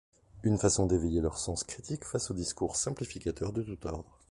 Une façon d’éveiller leur sens critique face aux discours simplificateurs de tout ordre.